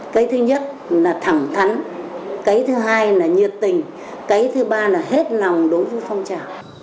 cái thứ nhất là thẳng thắn cái thứ hai là nhiệt tình cái thứ ba là hết lòng đối với phong trào